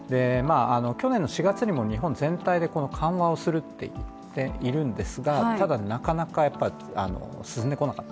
去年の４月にも日本全体で緩和をすると言っているんですがただ、なかなか進んでこなかった。